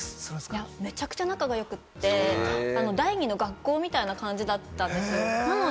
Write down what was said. いや、めちゃめちゃ仲良くて、第２の学校みたいな感じだったんです。